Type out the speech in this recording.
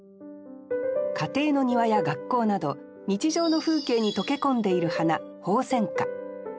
家庭の庭や学校など日常の風景に溶け込んでいる花鳳仙花。